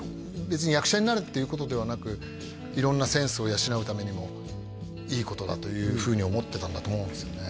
別に役者になれっていうことではなく色んなセンスを養うためにもいいことだというふうに思ってたんだと思うんですよね